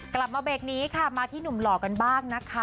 กลับมาเบรกนี้ค่ะมาที่หนุ่มหล่อกันบ้างนะคะ